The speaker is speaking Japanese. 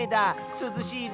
すずしいぞ。